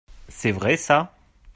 C'est vrai, ça …